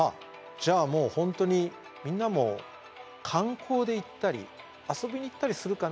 じゃあもう本当にみんなも観光で行ったり遊びに行ったりするかな？